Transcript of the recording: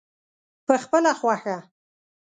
پخپله خوښه.